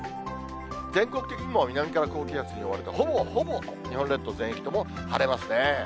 全国的にも南から高気圧に覆われて、ほぼほぼ日本列島全域とも晴れますね。